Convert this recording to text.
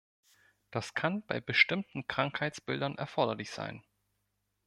Das kann bei bestimmten Krankheitsbildern erforderlich sein.